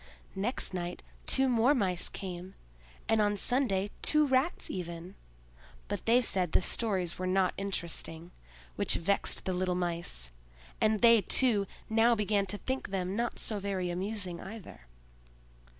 Next night two more Mice came, and on Sunday two Rats, even; but they said the stories were not interesting, which vexed the little Mice; and they, too, now began to think them not so very amusing either.